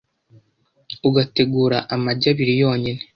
ugategura amagi abiri yonyine